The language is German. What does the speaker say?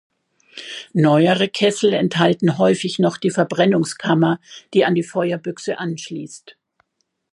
Neuere Kessel enthalten häufig noch die Verbrennungskammer, die an die Feuerbüchse anschließt.